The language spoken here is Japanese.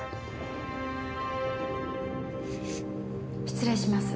失礼します。